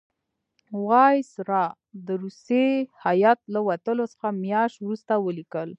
وایسرا د روسی هیات له وتلو څه میاشت وروسته ولیکل.